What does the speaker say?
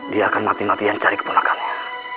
dia akan mati matian cari keponakannya